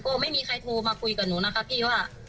ก็ไม่มีใครโทรมาคุยกับหนูนะคะพี่ว่า